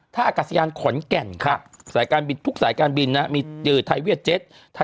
๓ท่าอากาศยานขนแก่นค่ะทุกสายการบินมียืดไทยเวียดเจ็ท